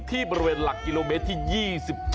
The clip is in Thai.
ที่บริเวณหลักกิโลเมตรที่๒๗